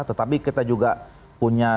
tetapi kita juga punya